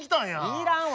いらんわ。